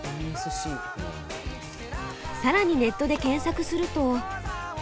更にネットで検索すると。